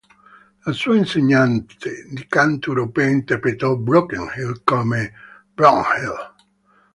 La sua insegnante di canto europea interpretò "Broken Hill" come "Bro-n-hill".